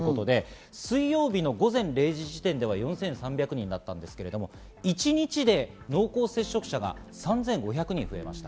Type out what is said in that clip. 水曜日の午前０時時点で４３００人だったんですけれども、一日で濃厚接触者が３５００人増えました。